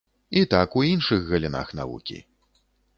І так у іншых галінах навукі.